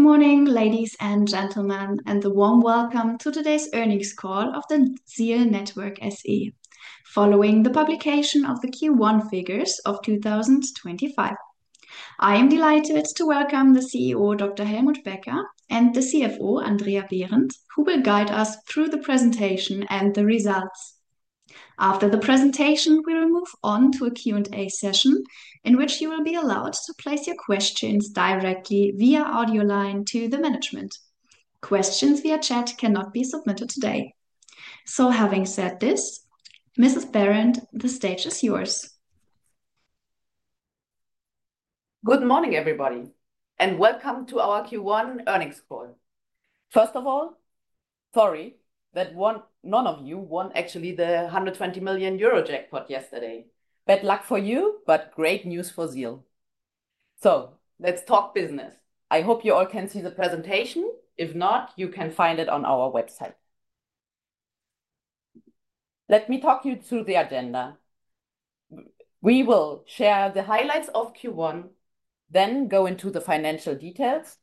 Good morning, ladies and gentlemen, and a warm welcome to today's earnings call of ZEAL Network SE, following the publication of the Q1 figures of 2025. I am delighted to welcome the CEO, Dr. Helmut Becker, and the CFO, Andrea Behrendt, who will guide us through the presentation and the results. After the presentation, we will move on to a Q&A session in which you will be allowed to place your questions directly via audio line to the management. Questions via chat cannot be submitted today. Having said this, Mrs. Behrendt, the stage is yours. Good morning, everybody, and welcome to our Q1 earnings call. First of all, sorry that none of you won actually the 120 million euro jackpot yesterday. Bad luck for you, but great news for ZEAL. Let's talk business. I hope you all can see the presentation. If not, you can find it on our website. Let me talk you through the agenda. We will share the highlights of Q1, then go into the financial details,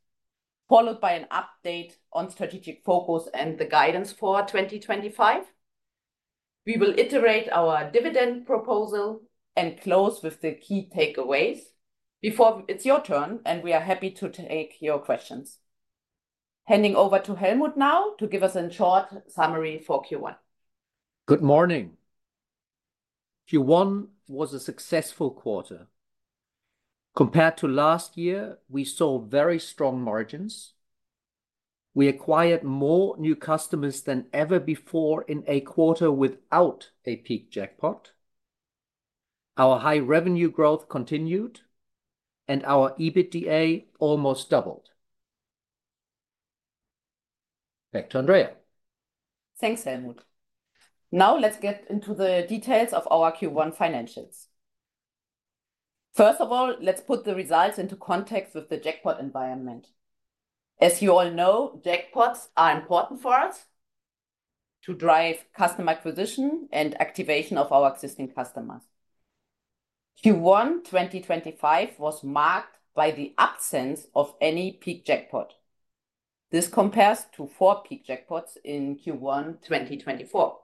followed by an update on strategic focus and the guidance for 2025. We will iterate our dividend proposal and close with the key takeaways. Before, it's your turn, and we are happy to take your questions. Handing over to Helmut now to give us a short summary for Q1. Good morning. Q1 was a successful quarter. Compared to last year, we saw very strong margins. We acquired more new customers than ever before in a quarter without a peak jackpot. Our high revenue growth continued, and our EBITDA almost doubled. Back to Andrea. Thanks, Helmut. Now, let's get into the details of our Q1 financials. First of all, let's put the results into context with the jackpot environment. As you all know, jackpots are important for us to drive customer acquisition and activation of our existing customers. Q1 2025 was marked by the absence of any peak jackpot. This compares to four peak jackpots in Q1 2024.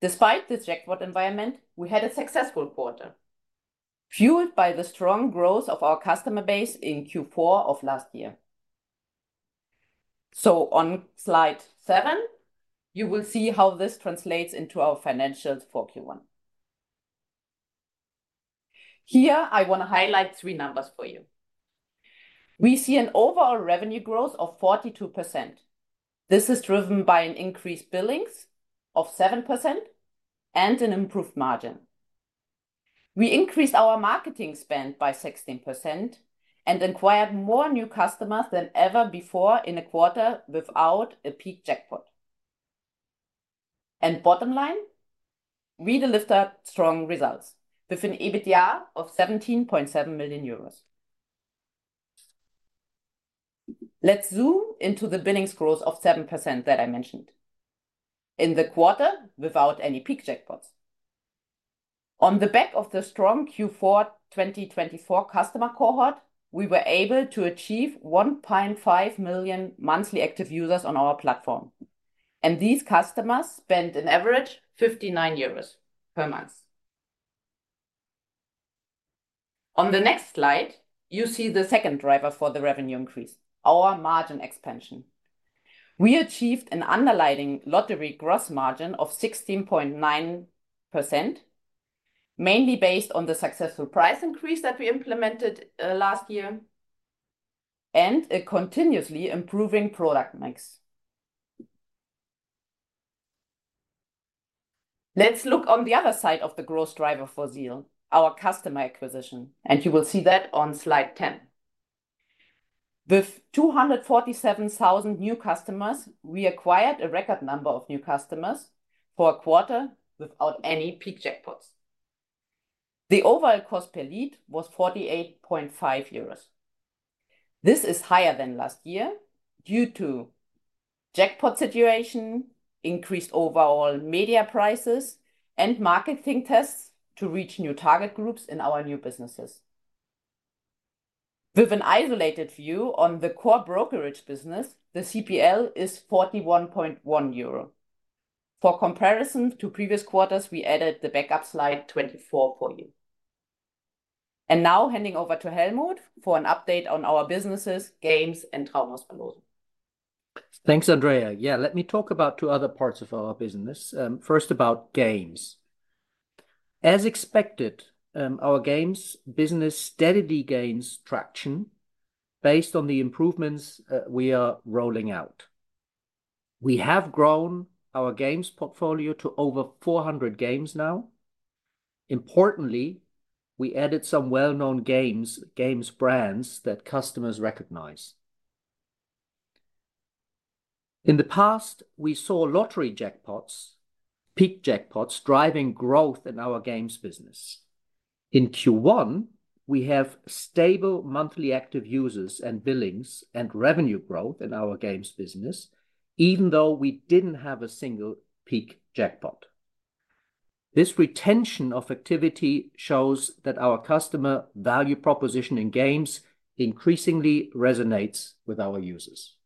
Despite this jackpot environment, we had a successful quarter, fueled by the strong growth of our customer base in Q4 of last year. On slide seven, you will see how this translates into our financials for Q1. Here, I want to highlight three numbers for you. We see an overall revenue growth of 42%. This is driven by an increased billings of 7% and an improved margin. We increased our marketing spend by 16% and acquired more new customers than ever before in a quarter without a peak jackpot. Bottom line, we delivered strong results with an EBITDA of 17.7 million euros. Let's zoom into the billings growth of 7% that I mentioned in the quarter without any peak jackpots. On the back of the strong Q4 2024 customer cohort, we were able to achieve 1.5 million monthly active users on our platform, and these customers spent an average of 59 euros per month. On the next slide, you see the second driver for the revenue increase: our margin expansion. We achieved an underlying lottery gross margin of 16.9%, mainly based on the successful price increase that we implemented last year and a continuously improving product mix. Let's look on the other side of the growth driver for ZEAL, our customer acquisition, and you will see that on slide 10. With 247,000 new customers, we acquired a record number of new customers for a quarter without any peak jackpots. The overall cost per lead was 48.5 euros. This is higher than last year due to jackpot situation, increased overall media prices, and marketing tests to reach new target groups in our new businesses. With an isolated view on the core brokerage business, the CPL is 41.1 euro. For comparison to previous quarters, we added the backup slide 24 for you. Now, handing over to Helmut for an update on our businesses, games, and Traumhaus-Aus Verlosung. Thanks, Andrea. Yeah, let me talk about two other parts of our business. First, about games. As expected, our games business steadily gains traction based on the improvements we are rolling out. We have grown our games portfolio to over 400 games now. Importantly, we added some well-known games brands that customers recognize. In the past, we saw lottery jackpots, peak jackpots driving growth in our games business. In Q1, we have stable monthly active users and billings and revenue growth in our games business, even though we did not have a single peak jackpot. This retention of activity shows that our customer value proposition in games increasingly resonates with our users.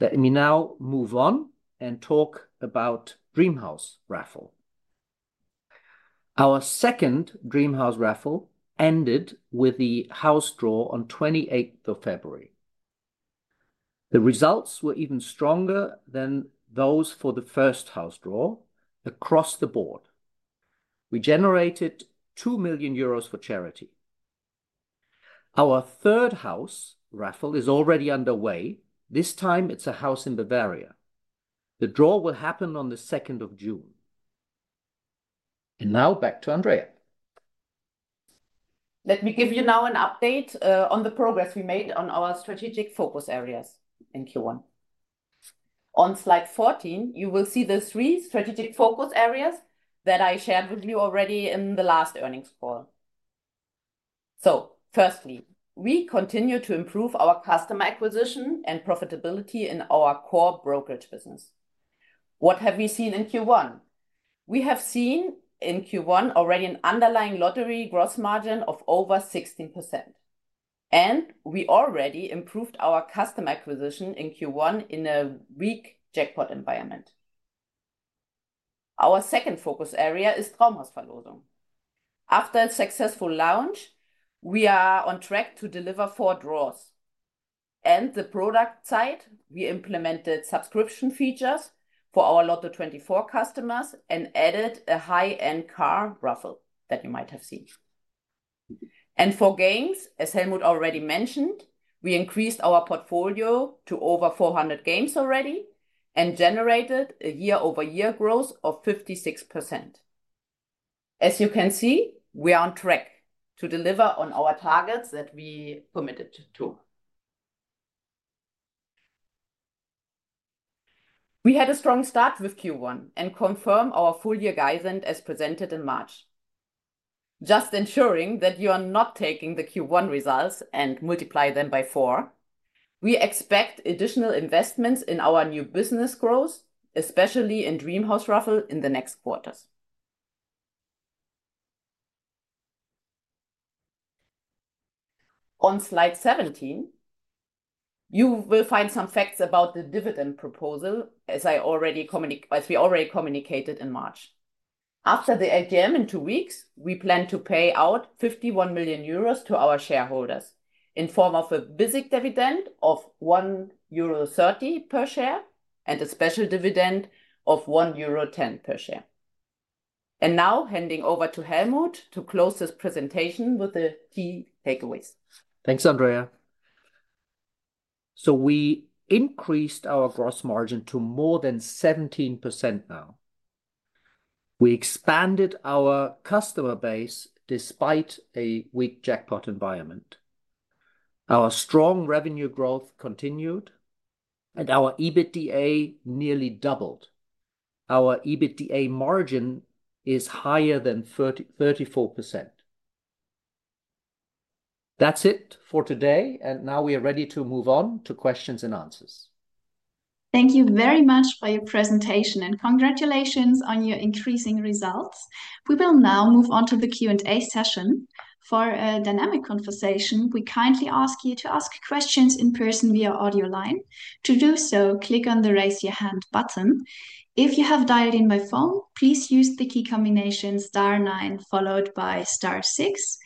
Let me now move on and talk about Dreamhouse Raffle. Our second Dreamhouse Raffle ended with the house draw on 28 February. The results were even stronger than those for the first house draw across the board. We generated 2 million euros for charity. Our third house raffle is already underway. This time, it's a house in Bavaria. The draw will happen on the 2nd of June. Now, back to Andrea. Let me give you now an update on the progress we made on our strategic focus areas in Q1. On slide 14, you will see the three strategic focus areas that I shared with you already in the last earnings call. Firstly, we continue to improve our customer acquisition and profitability in our core brokerage business. What have we seen in Q1? We have seen in Q1 already an underlying lottery gross margin of over 16%, and we already improved our customer acquisition in Q1 in a weak jackpot environment. Our second focus area is Traumhaus-Aus Verlosung. After a successful launch, we are on track to deliver four draws. On the product side, we implemented subscription features for our Lotto 24 customers and added a high-end car raffle that you might have seen. For games, as Helmut already mentioned, we increased our portfolio to over 400 games already and generated a year-over-year growth of 56%. As you can see, we are on track to deliver on our targets that we committed to. We had a strong start with Q1 and confirmed our full-year guidance as presented in March. Just ensuring that you are not taking the Q1 results and multiplying them by four, we expect additional investments in our new business growth, especially in Dreamhouse Raffle in the next quarters. On slide 17, you will find some facts about the dividend proposal, as we already communicated in March. After the AGM in two weeks, we plan to pay out 51 million euros to our shareholders in the form of a basic dividend of 1.30 euro per share and a special dividend of 1.10 euro per share. Now, handing over to Helmut to close this presentation with the key takeaways. Thanks, Andrea. We increased our gross margin to more than 17% now. We expanded our customer base despite a weak jackpot environment. Our strong revenue growth continued, and our EBITDA nearly doubled. Our EBITDA margin is higher than 34%. That is it for today, and now we are ready to move on to questions and answers. Thank you very much for your presentation, and congratulations on your increasing results. We will now move on to the Q&A session. For a dynamic conversation, we kindly ask you to ask questions in person via audio line. To do so, click on the "Raise Your Hand" button. If you have dialed in by phone, please use the key combination star nine followed by star six.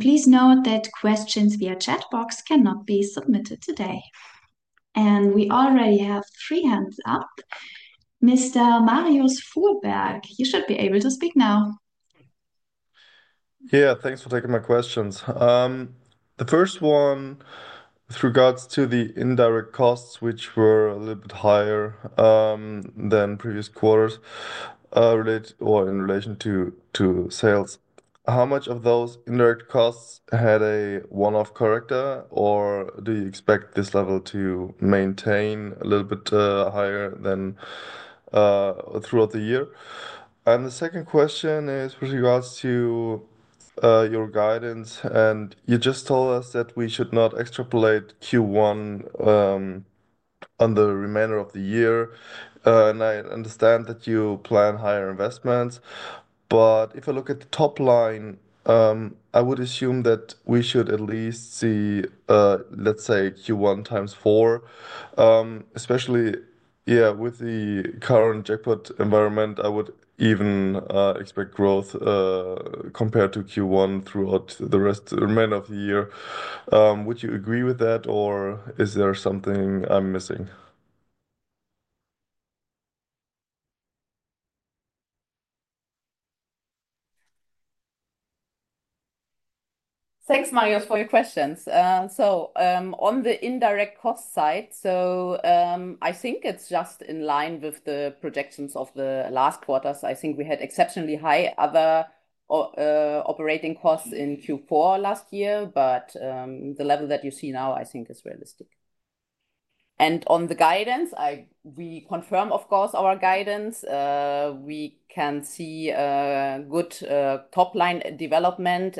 Please note that questions via chat box cannot be submitted today. We already have three hands up. Mr. Marius Fuhrberg, you should be able to speak now. Yeah, thanks for taking my questions. The first one with regards to the indirect costs, which were a little bit higher than previous quarters related or in relation to sales. How much of those indirect costs had a one-off character, or do you expect this level to maintain a little bit higher than throughout the year? The second question is with regards to your guidance, and you just told us that we should not extrapolate Q1 on the remainder of the year. I understand that you plan higher investments, but if I look at the top line, I would assume that we should at least see, let's say, Q1 times four, especially, yeah, with the current jackpot environment. I would even expect growth compared to Q1 throughout the remainder of the year. Would you agree with that, or is there something I'm missing? Thanks, Marius, for your questions. On the indirect cost side, I think it's just in line with the projections of the last quarters. I think we had exceptionally high other operating costs in Q4 last year, but the level that you see now, I think, is realistic. On the guidance, we confirm, of course, our guidance. We can see good top line development.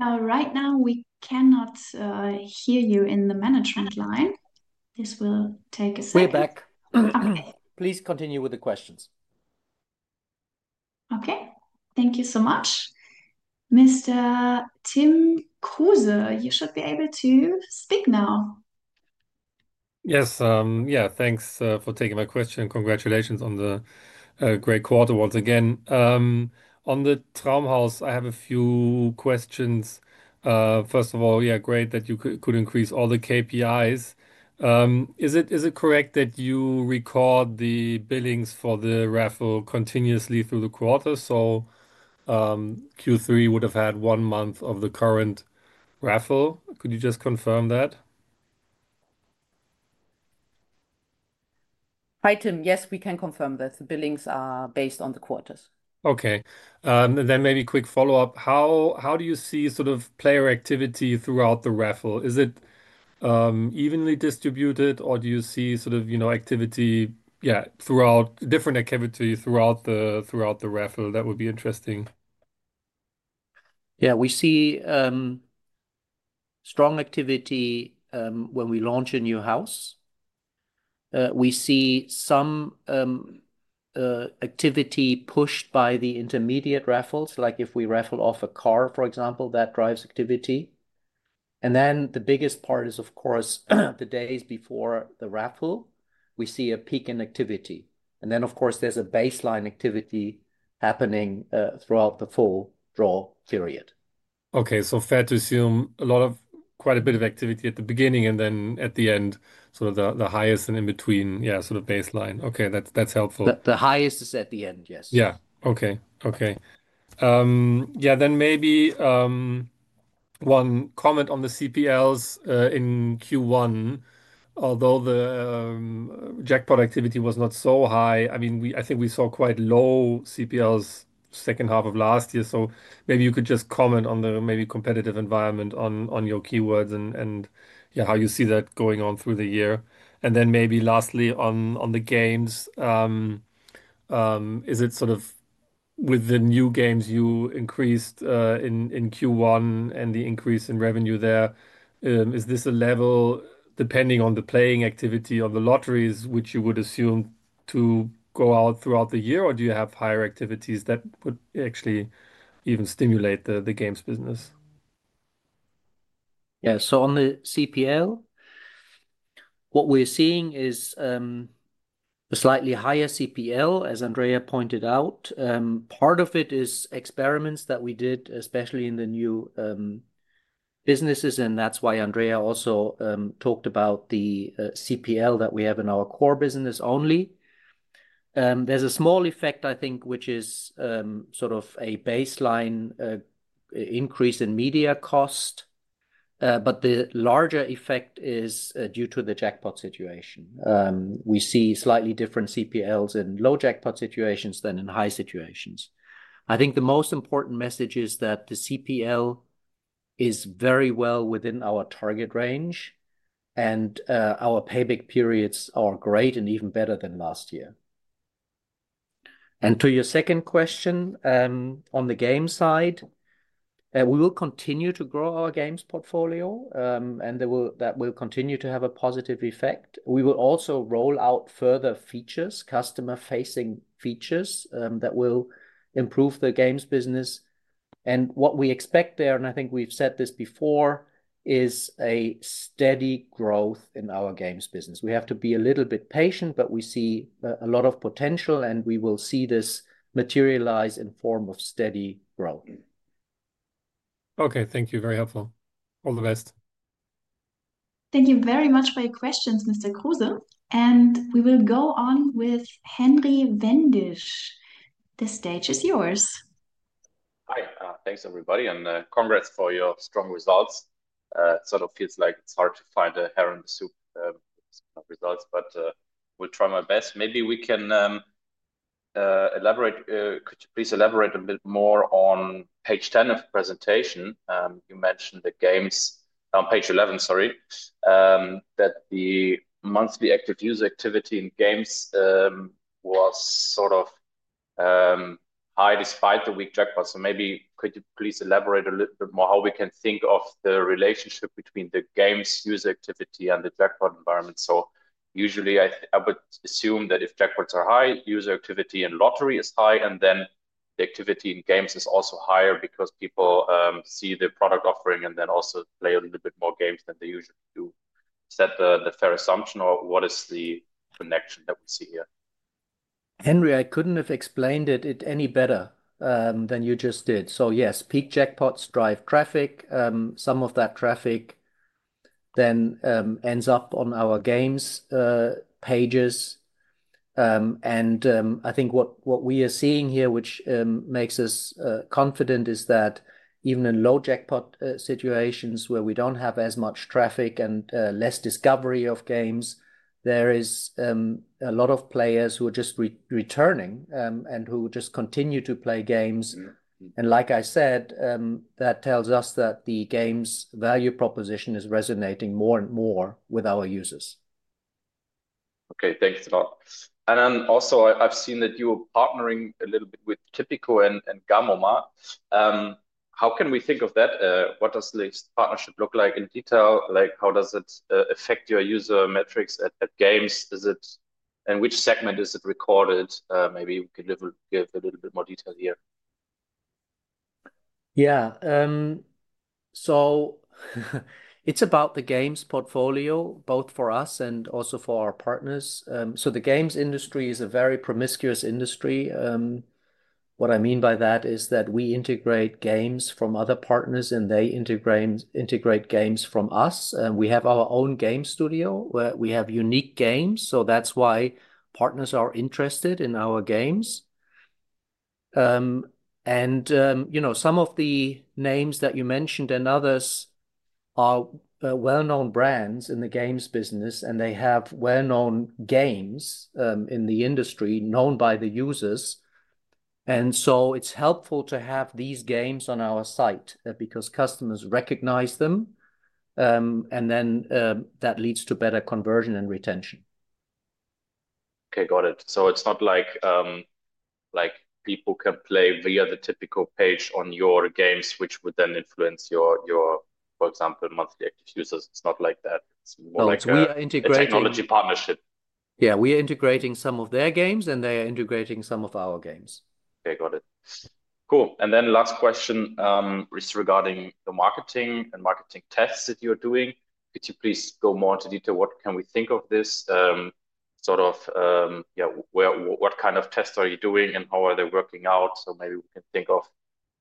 Now, right now, we cannot hear you in the management line. This will take a second. Way back. Please continue with the questions. Okay. Thank you so much. Mr. Tim Kruse, you should be able to speak now. Yes. Yeah, thanks for taking my question. Congratulations on the great quarter once again. On the Dreamhouse Raffle, I have a few questions. First of all, yeah, great that you could increase all the KPIs. Is it correct that you record the billings for the raffle continuously through the quarter? Q3 would have had one month of the current raffle. Could you just confirm that? Hi, Tim. Yes, we can confirm that the billings are based on the quarters. Okay. And then maybe quick follow-up. How do you see sort of player activity throughout the raffle? Is it evenly distributed, or do you see sort of, you know, activity, yeah, throughout different activity throughout the raffle? That would be interesting. Yeah, we see strong activity when we launch a new house. We see some activity pushed by the intermediate raffles, like if we raffle off a car, for example, that drives activity. The biggest part is, of course, the days before the raffle, we see a peak in activity. Of course, there is a baseline activity happening throughout the full draw period. Okay. So, fair to assume a lot of quite a bit of activity at the beginning and then at the end, sort of the highest and in between, yeah, sort of baseline. Okay. That's helpful. The highest is at the end, yes. Yeah. Okay. Okay. Yeah. Then maybe one comment on the CPLs in Q1. Although the jackpot activity was not so high, I mean, I think we saw quite low CPLs second half of last year. Maybe you could just comment on the maybe competitive environment on your keywords and, yeah, how you see that going on through the year. Then maybe lastly, on the games, is it sort of with the new games you increased in Q1 and the increase in revenue there, is this a level depending on the playing activity of the lotteries, which you would assume to go out throughout the year, or do you have higher activities that would actually even stimulate the games business? Yeah. On the CPL, what we're seeing is a slightly higher CPL, as Andrea pointed out. Part of it is experiments that we did, especially in the new businesses, and that's why Andrea also talked about the CPL that we have in our core business only. There's a small effect, I think, which is sort of a baseline increase in media cost, but the larger effect is due to the jackpot situation. We see slightly different CPLs in low jackpot situations than in high situations. I think the most important message is that the CPL is very well within our target range, and our payback periods are great and even better than last year. To your second question on the game side, we will continue to grow our games portfolio, and that will continue to have a positive effect. We will also roll out further features, customer-facing features that will improve the games business. What we expect there, and I think we've said this before, is a steady growth in our games business. We have to be a little bit patient, but we see a lot of potential, and we will see this materialize in form of steady growth. Okay. Thank you. Very helpful. All the best. Thank you very much for your questions, Mr. Kruse. We will go on with Henry Wendisch. The stage is yours. Hi. Thanks, everybody. And congrats for your strong results. It sort of feels like it's hard to find a heron to soup of results, but I'll try my best. Maybe we can elaborate. Could you please elaborate a bit more on page 10 of the presentation? You mentioned the games on page 11, sorry, that the monthly active user activity in games was sort of high despite the weak jackpot. Maybe could you please elaborate a little bit more how we can think of the relationship between the games user activity and the jackpot environment? Usually, I would assume that if jackpots are high, user activity in lottery is high, and then the activity in games is also higher because people see the product offering and then also play a little bit more games than they usually do. Is that the fair assumption, or what is the connection that we see here? Henry, I couldn't have explained it any better than you just did. Yes, peak jackpots drive traffic. Some of that traffic then ends up on our games pages. I think what we are seeing here, which makes us confident, is that even in low jackpot situations where we do not have as much traffic and less discovery of games, there are a lot of players who are just returning and who just continue to play games. Like I said, that tells us that the games' value proposition is resonating more and more with our users. Okay. Thanks a lot. Also, I've seen that you are partnering a little bit with Tipico and Gamoma. How can we think of that? What does the partnership look like in detail? How does it affect your user metrics at games? Which segment is it recorded? Maybe you could give a little bit more detail here. Yeah. It is about the games portfolio, both for us and also for our partners. The games industry is a very promiscuous industry. What I mean by that is that we integrate games from other partners, and they integrate games from us. We have our own game studio. We have unique games. That is why partners are interested in our games. Some of the names that you mentioned and others are well-known brands in the games business, and they have well-known games in the industry known by the users. It is helpful to have these games on our site because customers recognize them, and that leads to better conversion and retention. Okay. Got it. So, it's not like people can play via the Tipico page on your games, which would then influence your, for example, monthly active users. It's not like that. It's more like a technology partnership. We are integrating. Technology partnership. Yeah. We are integrating some of their games, and they are integrating some of our games. Okay. Got it. Cool. Last question regarding the marketing and marketing tests that you're doing. Could you please go more into detail? What can we think of this sort of, yeah, what kind of tests are you doing, and how are they working out? Maybe we can think of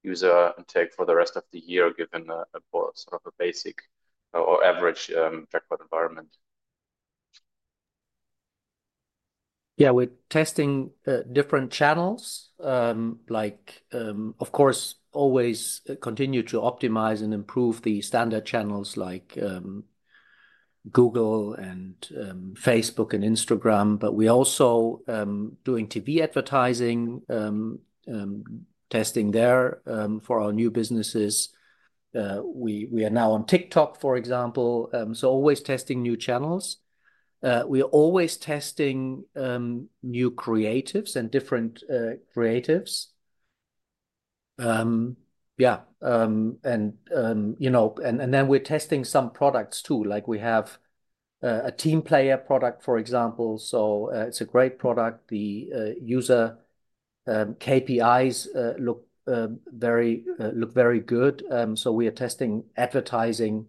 user intake for the rest of the year given sort of a basic or average jackpot environment. Yeah. We're testing different channels. Of course, always continue to optimize and improve the standard channels like Google and Facebook and Instagram, but we're also doing TV advertising, testing there for our new businesses. We are now on TikTok, for example. Always testing new channels. We are always testing new creatives and different creatives. Yeah. Then we're testing some products too. Like we have a Team Player Product, for example. It's a great product. The user KPIs look very good. We are testing advertising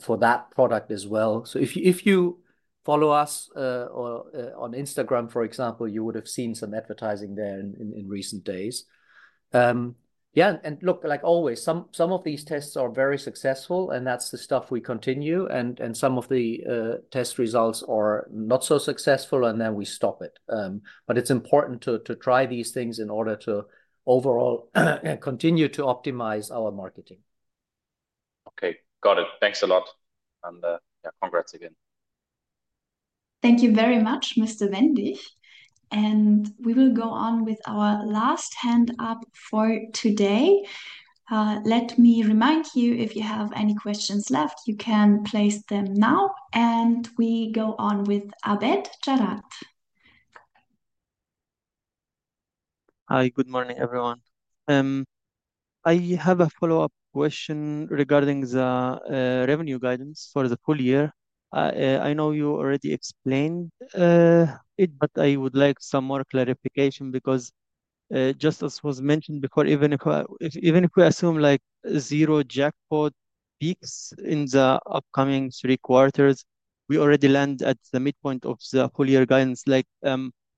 for that product as well. If you follow us on Instagram, for example, you would have seen some advertising there in recent days. Yeah. Like always, some of these tests are very successful, and that's the stuff we continue. Some of the test results are not so successful, and then we stop it. It is important to try these things in order to overall continue to optimize our marketing. Okay. Got it. Thanks a lot. Yeah, congrats again. Thank you very much, Mr. Wendisch. We will go on with our last hand up for today. Let me remind you, if you have any questions left, you can place them now. We go on with Abed Jarad. Hi. Good morning, everyone. I have a follow-up question regarding the revenue guidance for the full year. I know you already explained it, but I would like some more clarification because, just as was mentioned before, even if we assume zero jackpot peaks in the upcoming three quarters, we already land at the midpoint of the full-year guidance.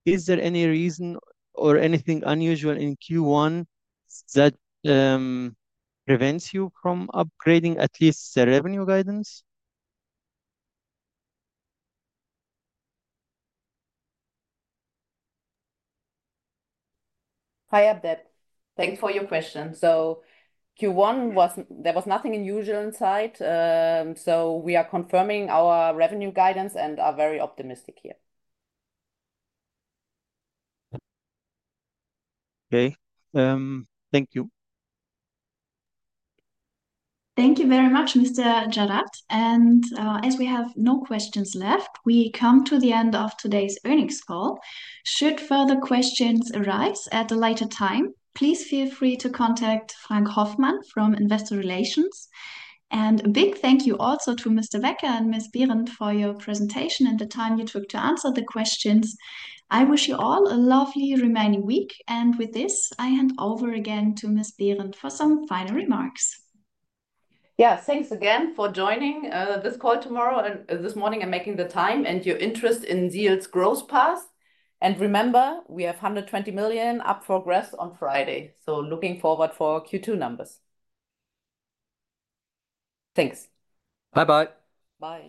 Is there any reason or anything unusual in Q1 that prevents you from upgrading at least the revenue guidance? Hi, Abed. Thank you for your question. Q1, there was nothing unusual in sight. We are confirming our revenue guidance and are very optimistic here. Okay. Thank you. Thank you very much, Mr. Jarad. As we have no questions left, we come to the end of today's earnings call. Should further questions arise at a later time, please feel free to contact Frank Hoffman from Investor Relations. A big thank you also to Mr. Becker and Ms. Behrendt for your presentation and the time you took to answer the questions. I wish you all a lovely remaining week. With this, I hand over again to Ms. Behrendt for some final remarks. Yeah. Thanks again for joining this call tomorrow and this morning and making the time and your interest in ZEAL's growth path. Remember, we have 120 million up for grabs on Friday. Looking forward for Q2 numbers. Thanks. Bye-bye. Bye.